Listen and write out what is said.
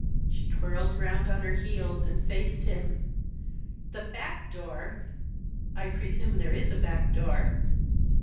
She twirled round on her heels and faced him. "The back door!" "I presume there is a back door?"